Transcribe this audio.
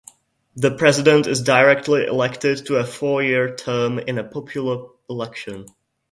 The president is directly elected to a four-year term in a popular election.